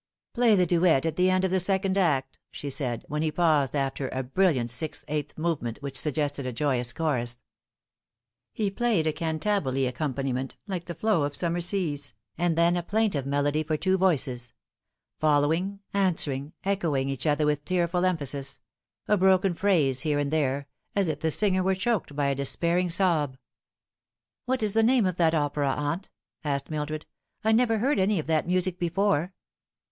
" Play the duet at the end of the second aci," she said, when he paused after a brilliant six eight movement which suggested a joyous chorus. He played a cantabile accompaniment, like the flow of sum mer seas, and then a plaintive melody for two voices following, answering, echoing each other with tearful emphasis a broken phrase here and there, as if the singer were choked by a despair ing sob " What is the name of the opera, aunt ?" asked Mildred ;" I never heard any of that music before."